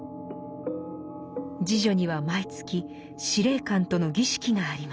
侍女には毎月司令官との儀式があります。